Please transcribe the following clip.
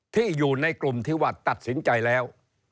ที่อยู่ในกลุ่มที่ว่าตัดสินใจแล้ว